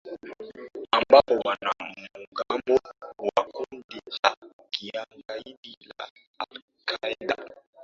ambapo wanamugambo wa kundi la kigaidi la alqaeda